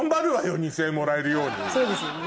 そうですよね。